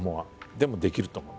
でもできると思う。